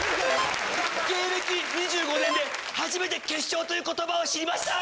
芸歴２５年で初めて決勝という言葉を知りました！